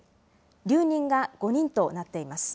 留任が５人となっています。